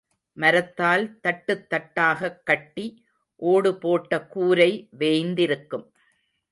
மரத்தால் தட்டுத் தட்டாகக் கட்டி ஓடு போட்ட கூரை வேய்ந்திருக்கும்.